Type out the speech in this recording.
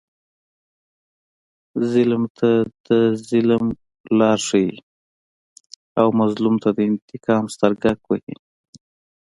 ظلم ته د ظلم لاره ښیي او مظلوم ته د انتقام سترګک وهي.